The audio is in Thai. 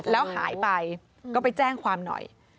แล้วหายไปก็ไปแจ้งความหน่อย